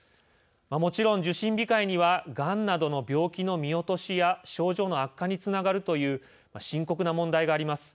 もちろん受診控えにはがんなどの病気の見落としや症状の悪化につながるという深刻な問題があります。